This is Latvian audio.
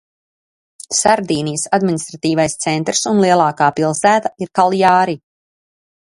Sardīnijas administratīvais centrs un lielākā pilsēta ir Kaljāri.